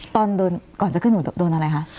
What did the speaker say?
ตอนโดนก่อนจะขึ้นหนูโดนอะไรคะ